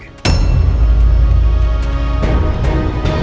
kalau anda gabus sama reina